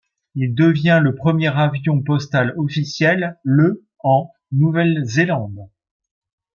Il devient le premier avion postal officiel le en Nouvelle-Zélande.